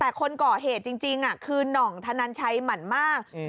แต่คนก่อเหตุจริงจริงอ่ะคือหน่องธนันชัยหมั่นมากอืม